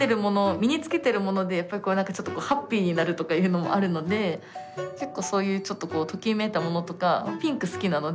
身につけてるものでやっぱりなんかちょっとこうハッピーになるとかいうのもあるので結構そういうちょっとときめいたものとかピンク好きなので。